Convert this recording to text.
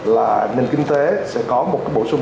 là nền kinh tế sẽ có một cái bổ sung